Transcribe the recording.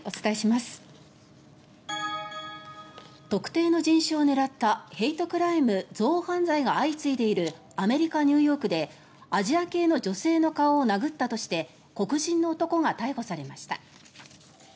特定の人種を狙ったヘイトクライム、憎悪犯罪が相次いでいるアメリカ・ニューヨークでアジア系の女性の顔を殴ったとして黒人の男が逮捕されました。